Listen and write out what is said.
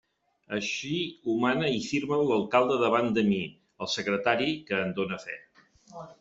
Així ho mana i firma l'alcalde davant de mi, el secretari, que en done fe.